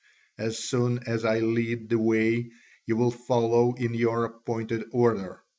As soon as I lead the way you will follow in your appointed order.